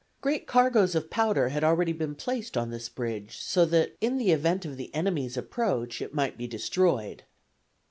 Great cargoes of powder had already been placed on this bridge, so that, in the event of the enemy's approach it might be destroyed.